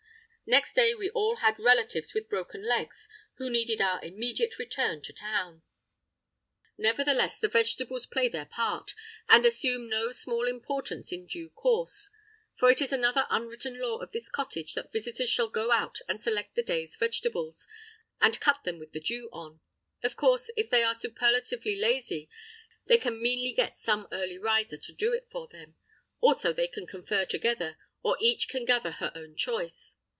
Next day we all had relatives with broken legs, who needed our immediate return to town. Nevertheless the vegetables play their part, and assume no small importance, in due course; for it is another unwritten law of this cottage that visitors shall go out and select the day's vegetables, and cut them with the dew on; of course, if they are superlatively lazy, they can meanly get some early riser to do it for them; also they can confer together, or each can gather her own choice.